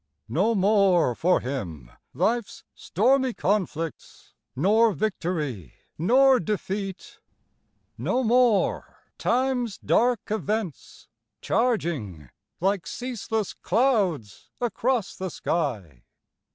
No more for him life's stormy conflicts, Nor victory, nor defeat no more time's dark events, Charging like ceaseless clouds across the sky.